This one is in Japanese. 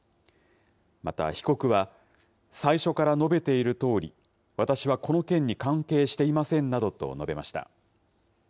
また被告は、最初から述べているとおり、私はこの件に関係していませんなどと述べました。